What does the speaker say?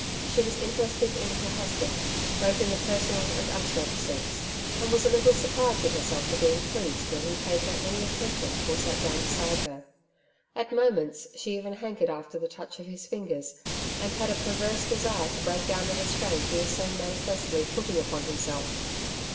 She was interested in her husband both in the personal and abstract sense, and was a little surprised at herself for being pleased when he paid her any attention or sat down beside her. At moments, she even hankered after the touch of his fingers, and had a perverse desire to break down the restraint he was so manifestly putting upon himself.